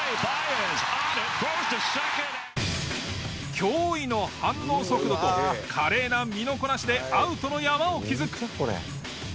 驚異の反応速度と華麗な身のこなしでアウトの山を築く。